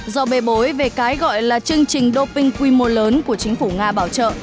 do bê bối về cái gọi là chương trình doping quy mô lớn của chính phủ nga bảo trợ